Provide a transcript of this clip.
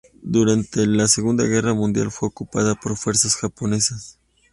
Durante la Segunda Guerra Mundial, fue ocupada por fuerzas japonesas.